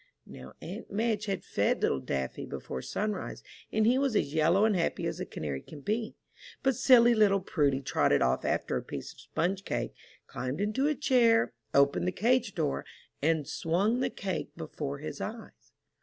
Now aunt Madge had fed little Daffy before sunrise, and he was as yellow and happy as a canary can be. But silly little Prudy trotted off after a piece of sponge cake, climbed into a chair, opened the cage door, and swung the cake before his eyes.